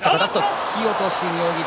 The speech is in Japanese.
突き落とし、妙義龍。